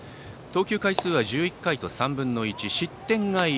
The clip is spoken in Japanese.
投球回数は１１回と３分の１で失点が１。